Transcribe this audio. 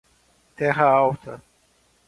Terra Alta